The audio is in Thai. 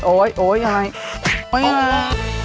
โอ๊ยโอ๊ยอย่าไง